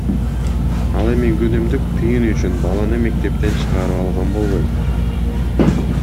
Ал эми күнүмдүк тыйын үчүн баланы мектептен чыгарып алган болбойт.